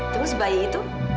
terus bayi itu